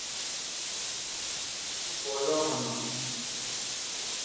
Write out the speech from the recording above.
'ହରି ହରି ବୋଲ ମନ' ।